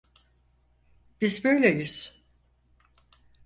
Biz böyleyiz.